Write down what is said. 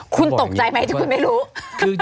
คุณตกใจไหมที่คุณไม่รู้